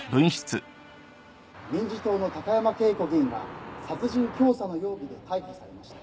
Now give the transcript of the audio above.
民自党の高山啓子議員が殺人教唆の容疑で逮捕されました。